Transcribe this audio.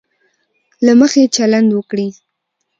له مخي چلند وکړي.